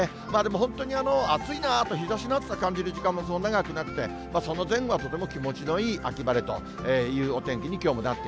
本当に暑いなあと、日ざしの暑さ感じる時間もそう長くなくて、その前後はとても気持ちのいい秋晴れというお天気にきょうはなっ